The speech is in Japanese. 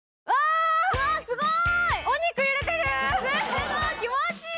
すごい、気持ちいい。